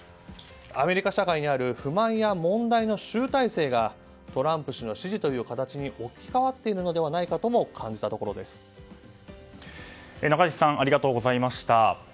アメリカ社会にある不満や問題の集大成がトランプ氏の支持という形に置き換わっているのではないかと中西さんありがとうございました。